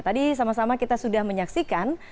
tadi sama sama kita sudah menyaksikan